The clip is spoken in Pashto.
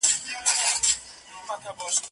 له هر یوه سره د غلو ډلي غدۍ وې دلته